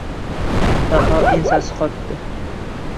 Daho ensasi qotdi. '